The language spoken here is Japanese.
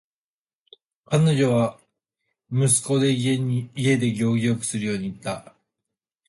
彼女は息子に家で行儀よくするように言った。